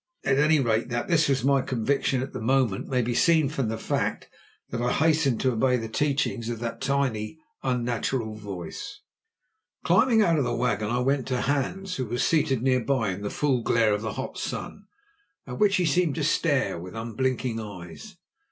At any rate, that this was my conviction at the moment may be seen from the fact that I hastened to obey the teachings of that tiny, unnatural voice. Climbing out of the wagon, I went to Hans, who was seated near by in the full glare of the hot sun, at which he seemed to stare with unblinking eyes.